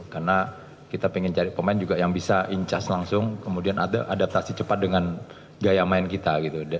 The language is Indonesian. karena kita ingin cari pemain yang bisa incas langsung kemudian ada adaptasi cepat dengan gaya main kita